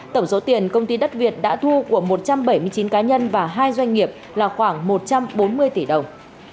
tổng số tiền công ty đất việt đã thu của một trăm bảy mươi chín cá nhân và hai doanh nghiệp là khoảng một trăm bốn mươi tỷ đồng